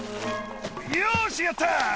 よしやった！